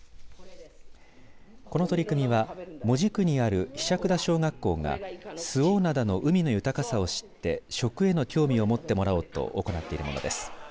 この取り組みは門司区にある柄杓田小学校が周防灘の海の豊かさ知って食への興味を持ってもらおうと行っているものです。